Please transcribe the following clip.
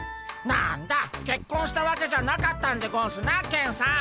何だけっこんしたわけじゃなかったんでゴンスなケンさん。